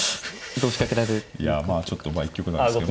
いやまあちょっと一局なんですけど。